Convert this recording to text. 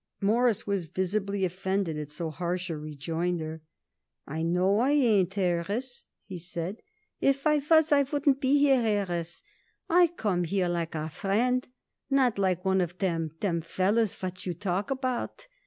Morris was visibly offended at so harsh a rejoinder. "I know I ain't, Harris," he said. "If I was I wouldn't be here, Harris. I come here like a friend, not like one of them them fellers what you talk about.